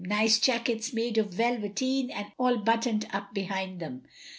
Nice jackets made of velveteen, All button'd up behind them.